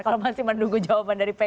kalau nanti menunggu jawaban dari pks